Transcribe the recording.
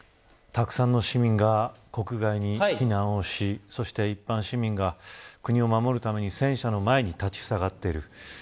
たくさんの市民が国外に避難をしそして一般市民が国を守るために戦車の前に立ちふさがっている。